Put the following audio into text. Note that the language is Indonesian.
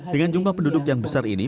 dengan jumlah penduduk yang besar ini